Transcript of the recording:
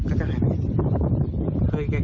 ก็จะหายไป